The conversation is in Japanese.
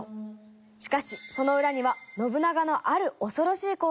しかしその裏には信長のある恐ろしい行動があったといいます。